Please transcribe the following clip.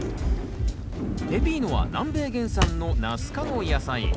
ペピーノは南米原産のナス科の野菜。